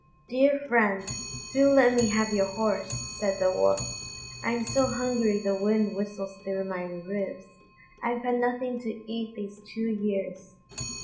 "Dear friend, do let me have your horse," said the Wolf; "I'm so hungry the wind whistles through my ribs; I've had nothing to eat these two years."